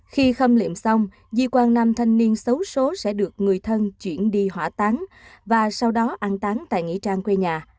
khi khâm liệm xong dì quan nam thanh niên xấu xố sẽ được người thân chuyển đi hỏa tán và sau đó ăn tán tại nghỉ trang quê nhà